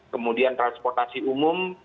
kemudian transportasi umum